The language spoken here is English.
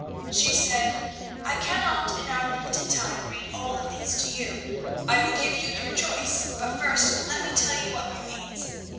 She said, "I cannot, in our limited time, read all of these to you. I will give you your choice, but first, let me tell you what remains.